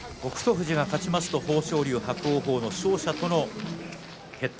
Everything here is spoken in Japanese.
富士が勝ちますと豊昇龍、伯桜鵬の勝者との決定